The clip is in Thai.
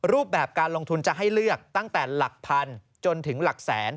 รูปแบบการลงทุนจะให้เลือกตั้งแต่หลักพันจนถึงหลักแสน